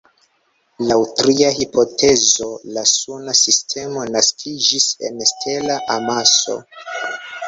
Laŭ tria hipotezo la Suna sistemo naskiĝis en stela amaso.